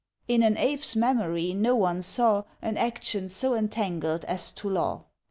In an Ape's memory no one saw An action so entangled as to law.